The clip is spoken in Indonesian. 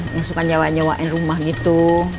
yang suka nyewain nyewain rumah gitu